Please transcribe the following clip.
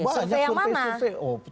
survei yang mana